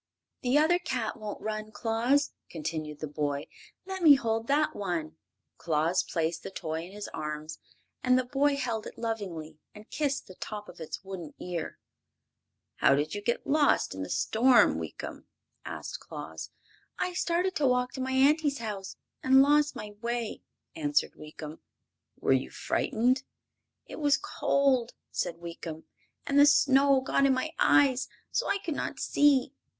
"The other cat won't run, Claus," continued the boy. "Let me hold that one." Claus placed the toy in his arms, and the boy held it lovingly and kissed the tip of its wooden ear. "How did you get lost in the storm, Weekum?" asked Claus. "I started to walk to my auntie's house and lost my way," answered Weekum. "Were you frightened?" "It was cold," said Weekum, "and the snow got in my eyes, so I could not see.